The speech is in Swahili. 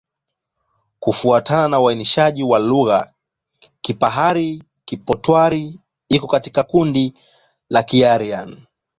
Kufuatana na uainishaji wa lugha, Kipahari-Kipotwari iko katika kundi la Kiaryan.